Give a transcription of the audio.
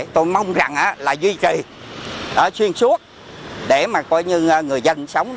tôi mong rằng là duy trì xuyên suốt để mà coi như người dân sống